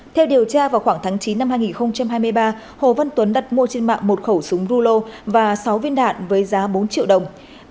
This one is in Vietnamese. theo điều tra vào khoảng tháng chín năm hai nghìn hai mươi ba hồ văn tuấn đặt mua trên mạng một khẩu súng rulo và sáu viên đạn với giá bốn triệu đồng